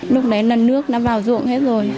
lúc đấy là nước đã vào ruộng hết rồi